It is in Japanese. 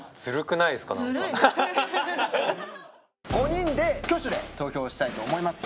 ５人で挙手で投票したいと思います。